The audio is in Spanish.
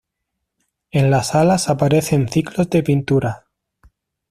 En las alas aparecen ciclos de pinturas.